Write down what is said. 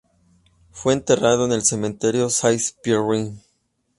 Fue enterrado en el cementerio Saint-Pierre.